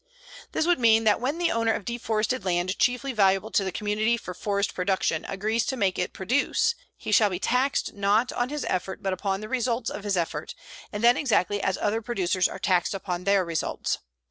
This would mean that when the owner of deforested land chiefly valuable to the community for forest production agrees to make it produce, he shall be taxed not on his effort but upon the results of his effort, and then exactly as other producers are taxed upon their results.